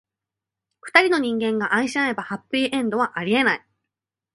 二人の人間が愛し合えば、ハッピーエンドはありえない。